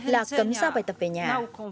là cấm giao bài tập về nhà